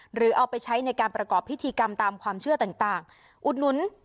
หรือเอาไปใช้ในการประกอบพิธีกรรมตามความเชื่อต่างอุดหนุน